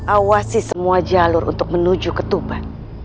awasi semua jalur untuk menuju ketuban